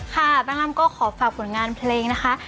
แป้งอ้ำก็ขอฝากผลงานเพลงนะคะ